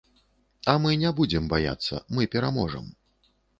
А мы не будзем баяцца, мы пераможам.